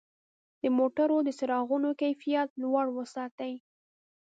د موټرو د څراغونو کیفیت لوړ وساتئ.